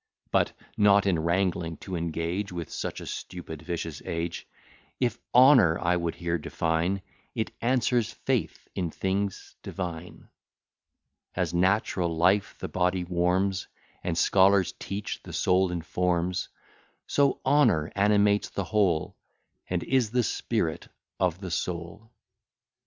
But (not in wrangling to engage With such a stupid, vicious age) If honour I would here define, It answers faith in things divine. As natural life the body warms, And, scholars teach, the soul informs, So honour animates the whole, And is the spirit of the soul.